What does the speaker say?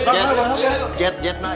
jat jat jat mbah